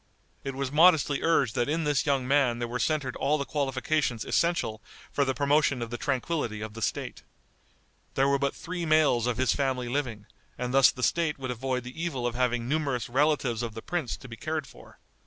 It was modestly urged that in this young man there were centered all the qualifications essential for the promotion of the tranquillity of the State. There were but three males of his family living, and thus the State would avoid the evil of having numerous relatives of the prince to be cared for.